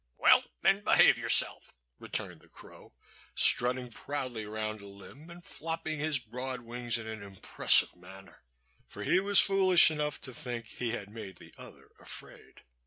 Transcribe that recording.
"Well, then, behave yourself," returned the crow, strutting proudly along a limb and flopping his broad wings in an impressive manner. For he was foolish enough to think he had made the other afraid.